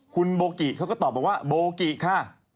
คุณโบกิเขาก็ตอบบอกว่าโบกิค่ะ